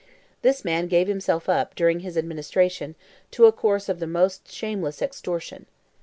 This man gave himself up, during his administration, to a course of the most shameless extortion.